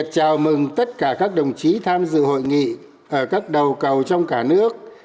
chào mừng tất cả các đồng chí tham dự hội nghị ở các đầu cầu trong cả nước